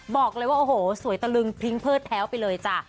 บอกเลยว่าโอ้โหสวยตะลึงพริ้งเพิดแท้วไปเลยจ้ะ